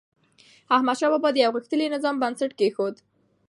احمدشاه بابا د یو غښتلي نظام بنسټ کېښود.